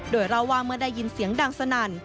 โดยเล่าว่าเมื่อได้ยินเสียงดังสนั่น